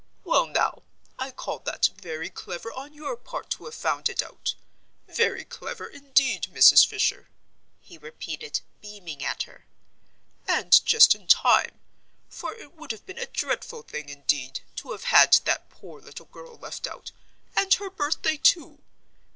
"Well, now, I call that very clever on your part to have found it out. Very clever indeed, Mrs. Fisher," he repeated, beaming at her. "And just in time, for it would have been a dreadful thing, indeed, to have had that poor little girl left out, and her birthday too!